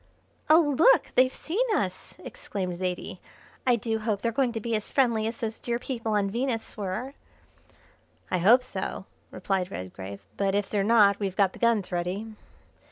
"Oh, look, they've seen us!" exclaimed Zaidie. "I do hope they're going to be as friendly as those dear people on Venus were." "I hope so," replied Redgrave, "but if they're not we've got the guns ready."